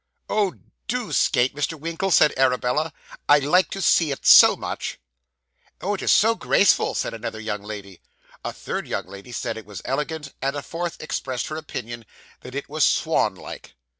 'Oh, do skate, Mr. Winkle,' said Arabella. 'I like to see it so much.' 'Oh, it is so graceful,' said another young lady. A third young lady said it was elegant, and a fourth expressed her opinion that it was 'swan like.